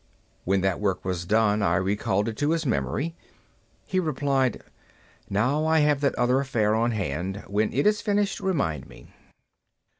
When that work was done, I recalled it to his memory. He replied, "Now I have that other affair on hand; when it is finished remind me."